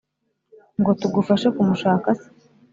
ngo tugufashe kumushaka se?